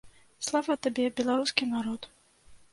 Слава табе, беларускі народ!